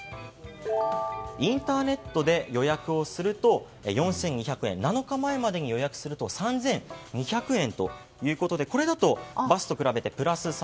インターネットで予約すると４２００円７日前までに予約すると３２００円ということでこれだとバスと比べてプラス３００円。